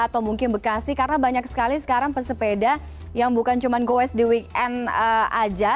atau mungkin bekasi karena banyak sekali sekarang pesepeda yang bukan cuma go west the weekend aja